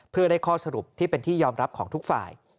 เพื่อได้ข้อสรุปที่เป็นที่ยอมรับของทุกฝ่าย